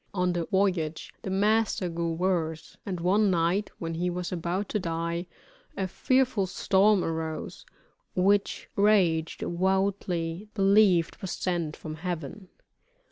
On the voyage the master grew worse, and one night when he was about to die, a fearful storm arose, which Rache devoutly believed was sent from Heaven.